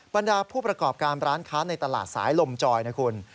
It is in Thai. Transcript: บรรดาผู้ประกอบการร้านค้าในตลาดสายลมจอยนะคุณ